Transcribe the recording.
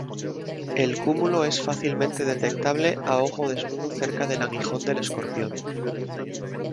El cúmulo es fácilmente detectable a ojo desnudo cerca del "aguijón" del "Escorpión".